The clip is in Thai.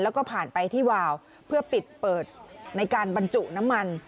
แล้วก็ผ่านไปที่วาวเพื่อปิดเปิดในการบรรจุน้ำมัน